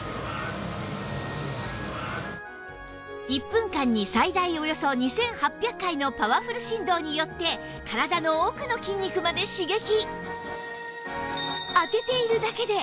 １分間に最大およそ２８００回のパワフル振動によって体の奥の筋肉まで刺激